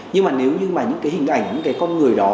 nhưng mà nếu như mà những cái hình ảnh những cái con người đó